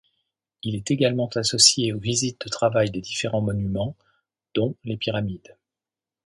Il est également associé aux visites de travail des différents monuments, dont les Pyramides.